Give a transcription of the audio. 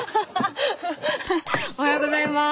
おはようございます。